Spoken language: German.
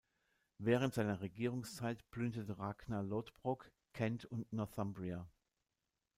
Während seiner Regierungszeit plünderte Ragnar Lodbrok Kent und Northumbria.